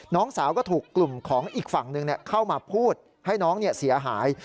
น้องสาวก็ถูกกลุ่มของอีกฝั่งหนึ่งเข้ามาพูดให้น้องเสียหาย